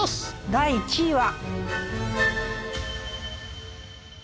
第２位は。